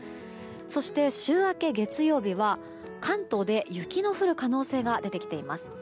そして、週明け月曜日は関東で雪の降る可能性が出てきています。